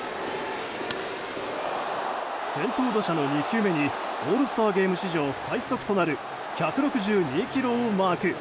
先頭打者の２球目にオールスターゲーム史上最速となる１６２キロをマーク。